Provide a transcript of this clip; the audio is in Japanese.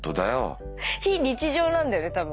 非日常なんだよね多分。